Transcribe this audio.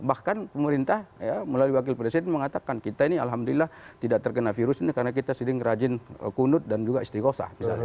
bahkan pemerintah melalui wakil presiden mengatakan kita ini alhamdulillah tidak terkena virus ini karena kita sering rajin kunut dan juga istiqosah